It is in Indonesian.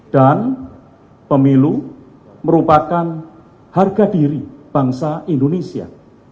dan pemilu merupakan harga diri bangsa indonesia